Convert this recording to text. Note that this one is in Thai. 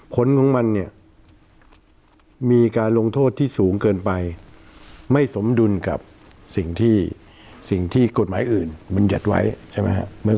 ผลของมันเนี่ยมีการลงโทษที่สูงเกินไปไม่สมดุลกับสิ่งที่สิ่งที่กฎหมายอื่นบรรยัติไว้ใช่ไหมครับ